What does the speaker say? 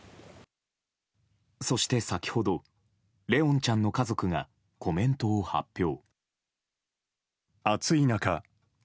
そして先ほど怜音ちゃんの家族がコメントを発表。